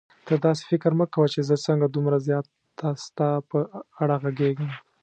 ته داسې فکر مه کوه چې زه څنګه دومره زیاته ستا په اړه غږېږم.